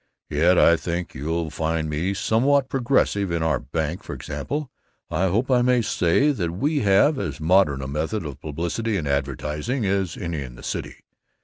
Yet I think you'll find me somewhat progressive. In our bank, for example, I hope I may say that we have as modern a method of publicity and advertising as any in the city.